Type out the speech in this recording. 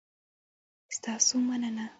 ستاسو مننه؟